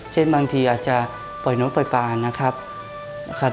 เช่นบางทีอาจจะปล่อยน้องปล่อยปลานะครับ